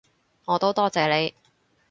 我都多謝你